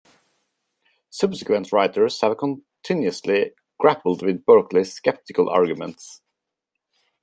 Subsequent writers have continuously grappled with Berkeley's skeptical arguments.